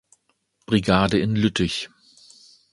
Brigade in Lüttich.